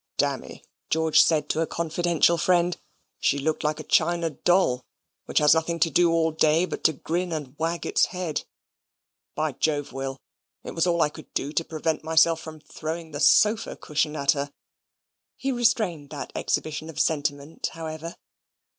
"Dammy," George said to a confidential friend, "she looked like a China doll, which has nothing to do all day but to grin and wag its head. By Jove, Will, it was all I I could do to prevent myself from throwing the sofa cushion at her." He restrained that exhibition of sentiment, however.